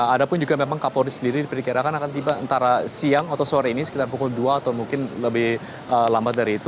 ada pun juga memang kapolri sendiri diperkirakan akan tiba antara siang atau sore ini sekitar pukul dua atau mungkin lebih lambat dari itu